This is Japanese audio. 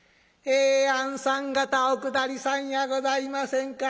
えあんさん方お下りさんやございませんか。